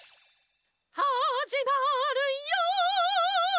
はじまるよ！